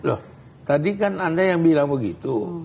loh tadi kan anda yang bilang begitu